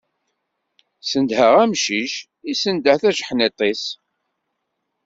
Snedheɣ amcic, issendeh tajeḥniḍt-is.